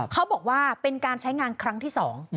เขาบอกว่าเป็นการใช้งานครั้งที่๒